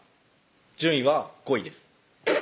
順位は５位ですブッ！